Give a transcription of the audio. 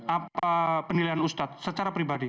apa penilaian ustadz secara pribadi